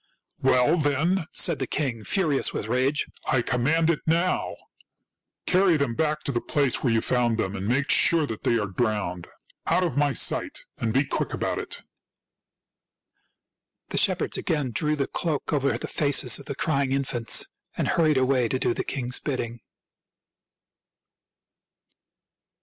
" Well, then," said the king, furious with rage, " I command it now. Carry them back to the place where you found them, and make sure that they are drowned. Out of my sight, and be quick about it!" The shepherds again drew the cloak over the faces of the crying infants, and hurried away to do the king's bidding.